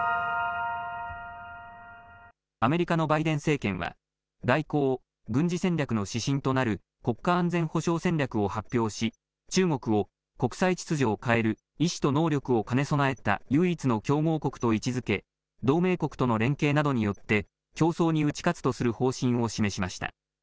アメリカのバイデン政権は外交・軍事戦略の指針となる国家安全保障戦略を発表し中国を国際秩序を変える意思と能力を兼ね備えた唯一の競合国と位置づけ同盟国との連携などによって競争に打ち勝つとする方針を示しました。